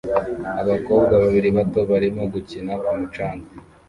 Abakobwa babiri bato barimo gukina ku mucanga